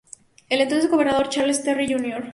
El entonces gobernador Charles Terry, Jr.